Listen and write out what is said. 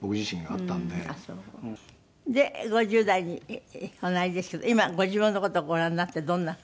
「あっそう」で５０代におなりですけど今ご自分の事をご覧になってどんな。